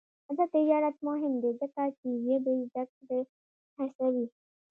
آزاد تجارت مهم دی ځکه چې ژبې زدکړه هڅوي.